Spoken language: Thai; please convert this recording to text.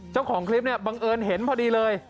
เจ้าของคลิปเนี่ยบังเอิญเห็นพอดีเลย